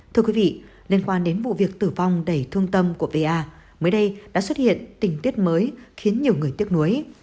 thưa quý vị liên quan đến vụ việc tử vong đầy thương tâm của pa mới đây đã xuất hiện tình tiết mới khiến nhiều người tiếc nuối